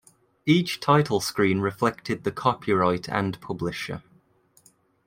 Each title screen reflected the copyright and publisher.